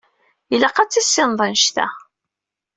Ilaq ad tissineḍ annect-a.